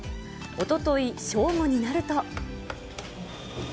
おととい正午になると。